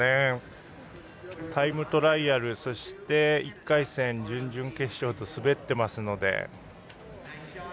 タイムトライアルそして１回戦、準々決勝と滑っていますので。